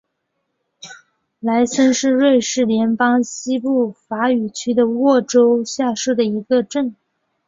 莱森是瑞士联邦西部法语区的沃州下设的一个镇。